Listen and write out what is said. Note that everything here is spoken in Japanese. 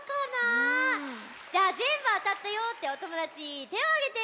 じゃあぜんぶあたったよっておともだちてをあげて！